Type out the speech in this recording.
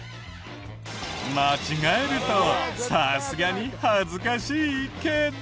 間違えるとさすがに恥ずかしいけど。